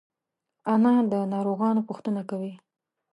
انا د ناروغانو پوښتنه کوي